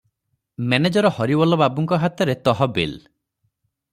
Manager Haribol ବାବୁଙ୍କ ହାତରେ ତହବିଲ ।